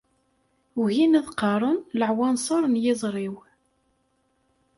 Ugin ad qqaren laɛwanṣer n yiẓri-w.